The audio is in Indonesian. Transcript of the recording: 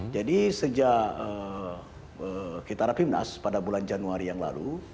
jadi sejak kita rafi minas pada bulan januari yang lalu